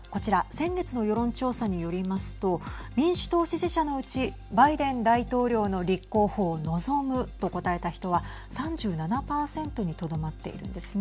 先月の世論調査によりますと民主党支持者のうちバイデン大統領の立候補を望むと答えた人は３７％にとどまっているんですね。